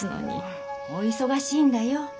お忙しいんだよ。